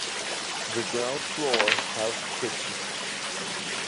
The ground floor housed a kitchen.